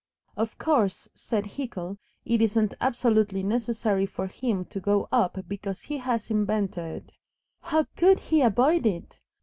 "Of course," said Hickle, "it isn't absolutely necessary for him to go up because he has invented " "How COULD he avoid it?"